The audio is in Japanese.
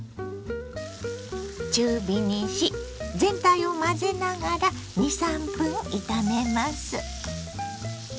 中火にし全体を混ぜながら２３分炒めます。